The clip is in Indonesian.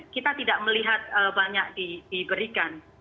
kita tidak melihat banyak diberikan